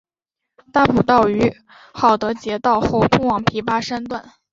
大埔道于郝德杰道后通往琵琶山段。